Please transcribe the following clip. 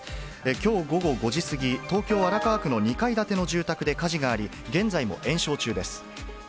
きょう午後５時過ぎ、東京・荒川区の２階建ての住宅で火事があり、現在も延焼中です。